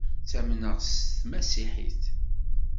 Ttamneɣ s tmasiḥit.